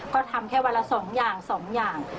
ก็ทำแค่วันละ๒อย่าง๒อย่าง